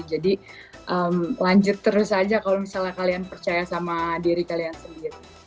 jadi lanjut terus aja kalau misalnya kalian percaya sama diri kalian sendiri